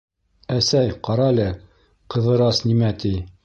— Әсәй, ҡара әле, Ҡыҙырас нимә ти!..